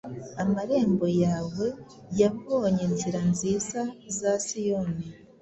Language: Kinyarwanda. Amarembo yawe yabonye inzira nziza za Siyoni: